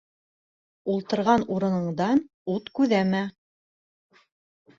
Ултырған урынындан ут күҙәмә.